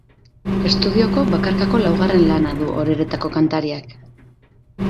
Estudioko bakarkako laugarren lana du Oreretako kantariak.